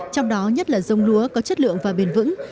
trong đó nhất là dông lúa có chất lượng và bền vững